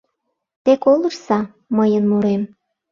Те колыштса мыйын мурем